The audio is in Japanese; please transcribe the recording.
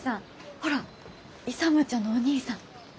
ほら勇ちゃんのお兄さん。